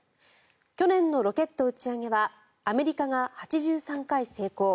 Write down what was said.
去年のロケット打ち上げはアメリカが８３回成功